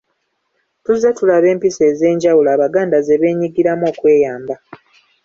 Tuzze tulaba empisa ez'enjawulo Abaganda ze beenyigirangamu okweyamba.